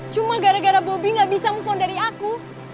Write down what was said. cuma gara gara bobby gak bisa mufon dari aku